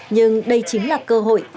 nhưng đây chính là cơ hội